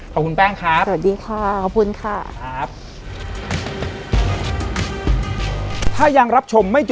ขอบคุณแป้งครับ